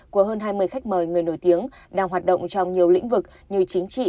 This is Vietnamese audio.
của hơn hai mươi khách mời người nổi tiếng đang hoạt động trong nhiều lĩnh vực như chính trị